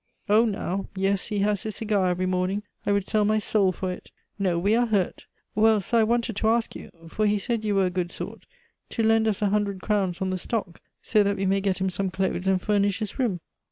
Oh! now yes, he has his cigar every morning! I would sell my soul for it No, we are hurt. Well, so I wanted to ask you for he said you were a good sort to lend us a hundred crowns on the stock, so that we may get him some clothes, and furnish his room.